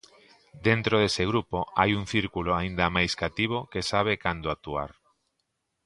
Dentro dese grupo hai un círculo aínda máis cativo que sabe cando actuar.